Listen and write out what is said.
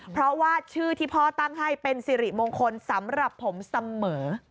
เพราะว่าชื่อที่พ่อตั้งให้เป็นสิริมงคลสำหรับผมเสมอ